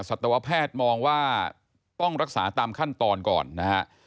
สัตวแพทย์มองว่าต้องรักษาตามขั้นตอนก่อนนะฮะ